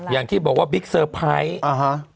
อย่างที่บอกว่าบิ๊กเซอร์ไพรส์อ่าฮะ